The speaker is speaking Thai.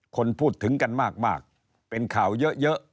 คนพูดถึงกันมากเป็นข่าวเยอะ